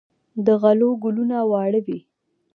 د غلو ګلونه واړه وي.